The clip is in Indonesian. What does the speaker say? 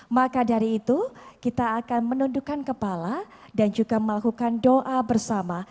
maka dari itu kita akan menundukkan kepala dan juga melakukan doa bersama